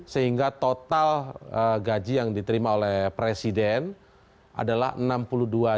sehingga total gaji yang diterima oleh presiden adalah rp enam puluh dua tujuh ratus empat puluh